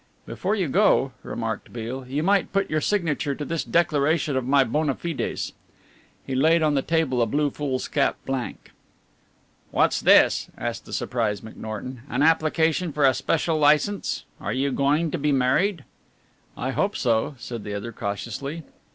"Before you go," remarked Beale, "you might put your signature to this declaration of my bona fides." He laid on the table a blue foolscap blank. "What's this?" asked the surprised McNorton, "an application for a special licence are you going to be married?" "I hope so," said the other cautiously.